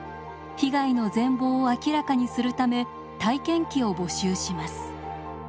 被害の全貌を明らかにするため体験記を募集します。